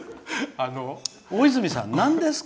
大泉さん、なんですか？